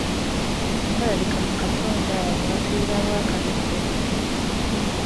Walabika mu kasonda awo waafiirawo akamese.